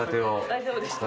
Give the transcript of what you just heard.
大丈夫でした？